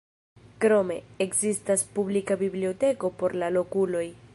Krome, ekzistas publika biblioteko por la lokuloj.